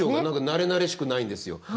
何かなれなれしくないんですよ。